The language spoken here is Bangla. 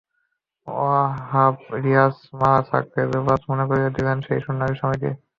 ওয়াহাব রিয়াজকে মারা ছক্কায় যুবরাজ মনে করিয়ে দিলেন সেই স্বর্ণালি সময়কে।